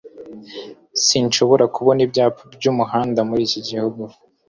sinshobora kubona ibyapa byumuhanda muri iki gihu